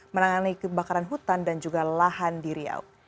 menangani kebakaran hutan dan juga lahan di riau